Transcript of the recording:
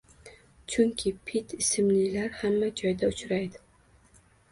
Chunki Pit ismlilar hamma joyda uchraydi.